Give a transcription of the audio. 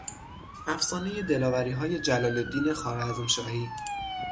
افسانهی دلاوریهای جلالالدین خوارزمشاهی